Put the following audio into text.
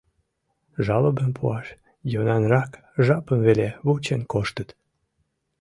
Жалобым пуаш йӧнанрак жапым веле вучен коштыт.